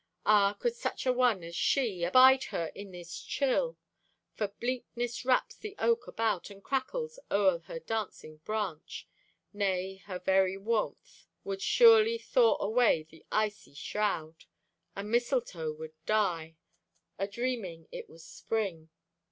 Ah, could such a one as she Abide her in this chill? For bleakness wraps the oak about And crackles o'er her dancing branch. Nay, her very warmth Would surely thaw away the icy shroud, And mistletoe would die Adreaming it was spring.